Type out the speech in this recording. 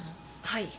はい。